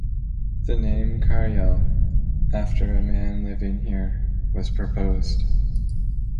The name "Caryell", after a man living here, was proposed.